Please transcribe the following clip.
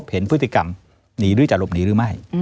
เห็นพฤติกรรมหนีด้วยจะหลบหนีหรือไม่